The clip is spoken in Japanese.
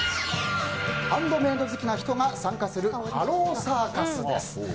ハンドメイド好きな人が参加するハローサーカスです。